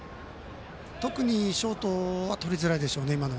特にショートはとりづらいでしょうね。